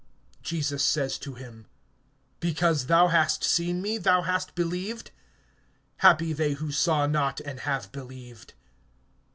(29)Jesus says to him: Because thou hast seen me, thou hast believed. Happy they who saw not, and have believed!